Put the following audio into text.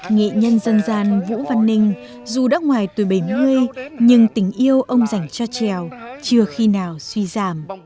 nghệ nhân dân gian vũ văn ninh dù đã ngoài tuổi bảy mươi nhưng tình yêu ông dành cho trèo chưa khi nào suy giảm